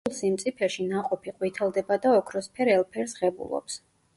სრულ სიმწიფეში ნაყოფი ყვითლდება და ოქროსფერ ელფერს ღებულობს.